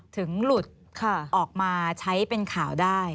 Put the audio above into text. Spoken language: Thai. ถึงหลุดออกมาใช้เป็นข่าวได้